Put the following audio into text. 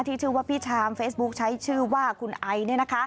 ที่ชื่อว่าพี่ชามเฟซบุ๊คใช้ชื่อว่าคุณไอ